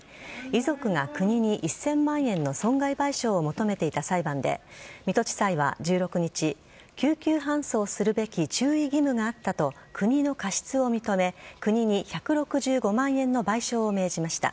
遺族が国に１０００万円の損害賠償を求めていた裁判で水戸地裁は１６日救急搬送するべき注意義務があったと国の過失を認め国に１６５万円の賠償を命じました。